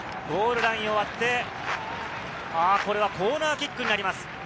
ゴールラインを割って、これはコーナーキックになります。